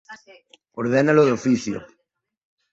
ordená-lo de ofício